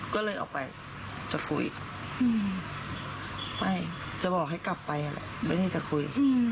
ก็เลยออกไปจะคุยไม่จะบอกให้กลับไปอะไรไม่ได้จะคุย